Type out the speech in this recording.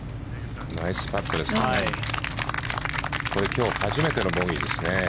今日初めてのボギーですね。